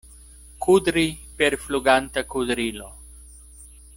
Kudri per fluganta kudrilo.